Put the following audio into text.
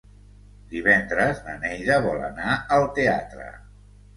Divendres na Neida vol anar al teatre.